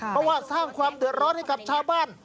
เพราะว่าสร้างความเดือดร้อนให้กับชาวบ้าน